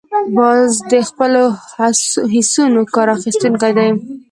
باز د خپلو حسونو کار اخیستونکی دی